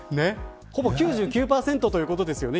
ほぼ９９％ということですよね。